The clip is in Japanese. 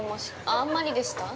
あんまりでした？